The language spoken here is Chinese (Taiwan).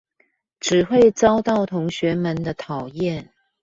只會遭到同學們的討厭